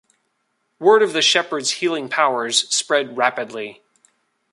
Word of the shepherd's healing powers spread rapidly.